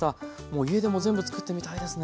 もう家でも全部作ってみたいですね。